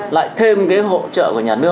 lại thêm cái hỗ trợ của nhà nước nữa